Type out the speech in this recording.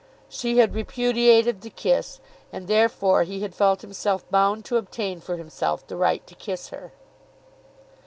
She had repudiated the kiss, and therefore he had felt himself bound to obtain for himself the right to kiss her.